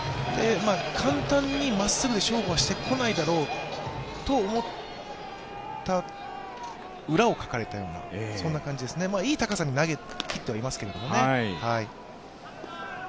簡単にまっすぐで勝負はしてこないだろうと思った裏をかかれたような感じですね、いい高さに投げきってはいますけどね。